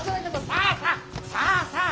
さあさあさあさあ。